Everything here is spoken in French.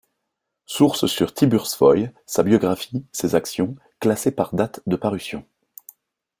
Sources sur Tiburce Foy, sa biographie, ses actions, classées par date de parution.